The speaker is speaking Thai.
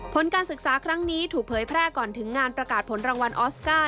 ผลการศึกษาครั้งนี้ถูกเผยแพร่ก่อนถึงงานประกาศผลรางวัลออสการ์